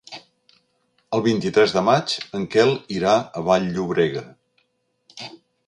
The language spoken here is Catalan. El vint-i-tres de maig en Quel irà a Vall-llobrega.